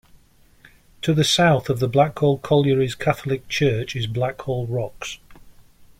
To the south of the Blackhall Colliery's Catholic church is Blackhall Rocks.